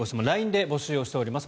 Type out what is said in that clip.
ＬＩＮＥで募集しています。